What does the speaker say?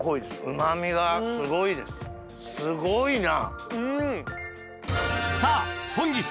うま味がすごいですすごいな！